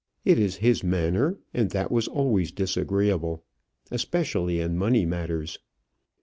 It is his manner, and that was always disagreeable; especially in money matters."